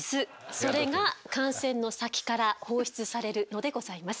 それが汗腺の先から放出されるのでございます。